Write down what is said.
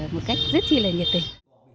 một cách rất là nhiệt tình